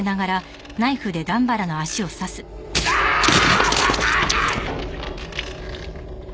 ああーっ！！